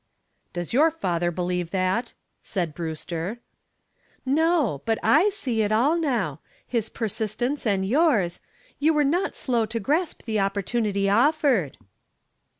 "Does your father believe that?" asked Brewster. "No, but I see it all now. His persistence and yours you were not slow to grasp the opportunity offered."